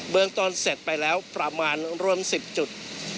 เมืองต้นเสร็จไปแล้วประมาณรวม๑๐จุด